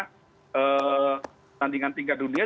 pertandingan tingkat dunia